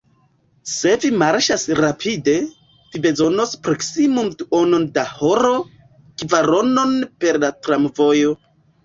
Se vi marŝas rapide, vi bezonos proksimume duonon da horo; kvaronon per la tramvojo.